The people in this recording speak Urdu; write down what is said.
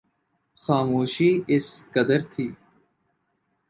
خاموشی اس قدر تھی